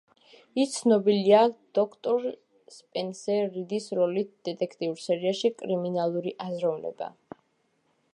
ის ცნობილია დოქტორ სპენსერ რიდის როლით დეტექტიურ სერიალში „კრიმინალური აზროვნება“.